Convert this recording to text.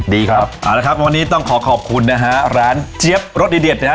ดีครับเอาละครับวันนี้ต้องขอขอบคุณนะฮะร้านเจี๊ยบรสเด็ดนะฮะ